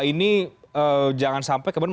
ini jangan sampai kebetulan